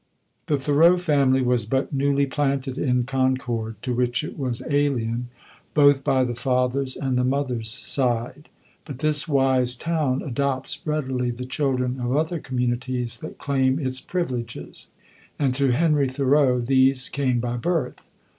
The Thoreau family was but newly planted in Concord, to which it was alien both by the father's and the mother's side. But this wise town adopts readily the children of other communities that claim its privileges, and to Henry Thoreau these came by birth.